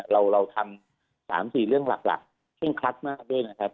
เราทำ๓๔เรื่องหลักเคร่งครัดมากด้วยนะครับ